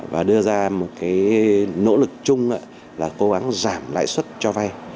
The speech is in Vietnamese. và đưa ra một nỗ lực chung là cố gắng giảm lãi xuất cho vai